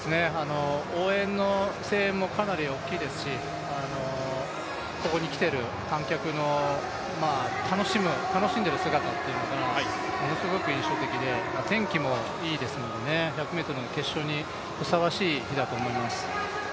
応援の声援もかなり大きいですし、ここに来ている観客の楽しんでいる姿というのがものすごく印象的で、天気もいいですので、１００ｍの決勝にふさわしい日だと思います。